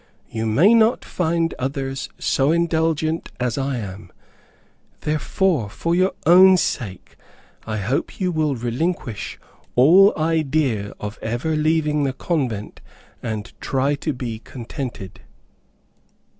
You may not find others so indulgent as I am; therefore, for your own sake, I hope you will relinquish all idea of ever leaving the convent, and try to be contented."